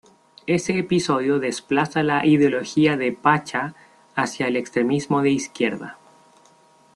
Ese episodio desplaza la ideología de Pasha hacia el extremismo de izquierda.